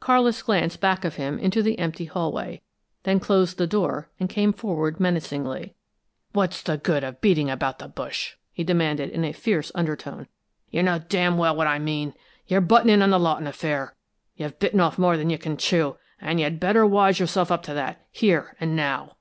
Carlis glanced back of him into the empty hallway, then closed the door and came forward menacingly. "What's the good of beating about the bush?" he demanded, in a fierce undertone. "You know d n' well what I mean: you're butting in on the Lawton affair. You've bitten off more than you can chew, and you'd better wise yourself up to that, here and now!"